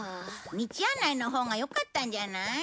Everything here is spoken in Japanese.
道案内のほうがよかったんじゃない？